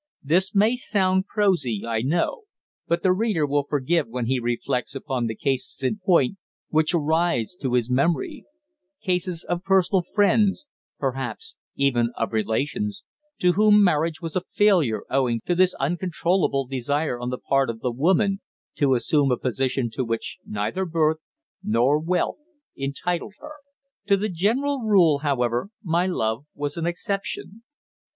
This may sound prosy, I know, but the reader will forgive when he reflects upon the cases in point which arise to his memory cases of personal friends, perhaps even of relations, to whom marriage was a failure owing to this uncontrollable desire on the part of the woman to assume a position to which neither birth nor wealth entitled her. To the general rule, however, my love was an exception.